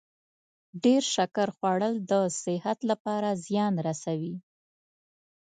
ډیر شکر خوړل د صحت لپاره زیان رسوي.